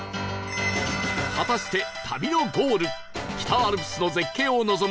果たして旅のゴール北アルプスの絶景を望む